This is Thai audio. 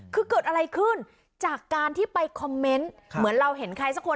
คือเกิดอะไรขึ้นจากการที่ไปคอมเมนต์เหมือนเราเห็นใครสักคน